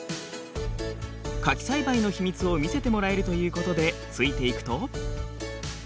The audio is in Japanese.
柿栽培の秘密を見せてもらえるということでついていくと。